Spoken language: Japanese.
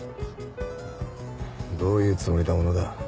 どういうつもりだ小野田。